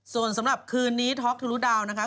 ส่วนสำหรับคืนนี้ทอล์กที่รู้ดาวน์นะคะ